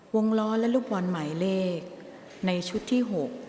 วงล้อและลูกบอลหมายเลขในชุดที่๖